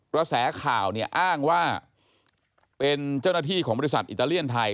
กระแสข่าวเนี่ยอ้างว่าเป็นเจ้าหน้าที่ของบริษัทอิตาเลียนไทย